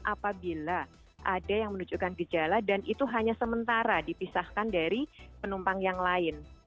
apabila ada yang menunjukkan gejala dan itu hanya sementara dipisahkan dari penumpang yang lain